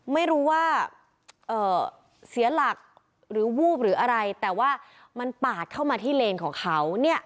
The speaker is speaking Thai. ไม่รู้ว่าเสียหลักหรือวูบหรืออะไรแต่ว่ามันปาดเข้ามาที่เลนของเขา